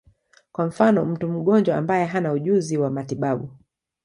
Kwa mfano, mtu mgonjwa ambaye hana ujuzi wa matibabu.